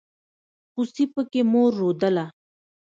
خوسي پکې مور رودله.